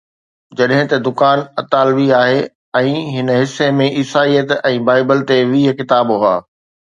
جڏهن ته دڪان اطالوي آهي ۽ هن حصي ۾ عيسائيت ۽ بائيبل تي ويهه ڪتاب هئا